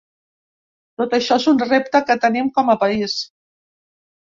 Tot això és un repte que tenim com a país.